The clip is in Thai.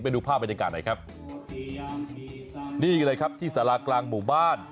ไปดูภาพบรรยากาศหน่อยครับนี่เลยครับที่สารากลางหมู่บ้าน